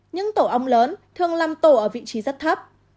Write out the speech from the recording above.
những tổ ong lớn thường làm tổ ở vị trí rất thấp